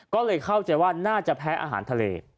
ก็เลยเข้าใจว่าน่าจะแพ้อาหารทะเล